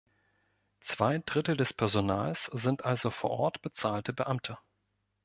Zwei Drittel des Personals sind also vor Ort bezahlte Beamte.